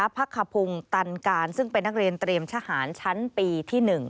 พักขพงศ์ตันการซึ่งเป็นนักเรียนเตรียมทหารชั้นปีที่๑